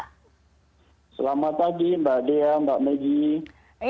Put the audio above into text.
selamat pagi mbak dea mbak maggie